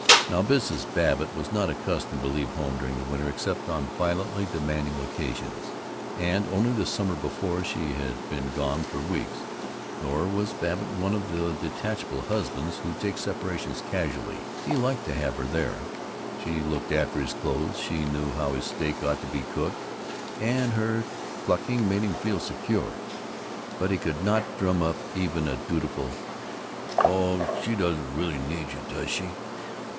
Now, Mrs. Babbitt was not accustomed to leave home during the winter except on violently demanding occasions, and only the summer before, she had been gone for weeks. Nor was Babbitt one of the detachable husbands who take separations casually. He liked to have her there; she looked after his clothes; she knew how his steak ought to be cooked; and her clucking made him feel secure. But he could not drum up even a dutiful "Oh, she doesn't really need you, does she?"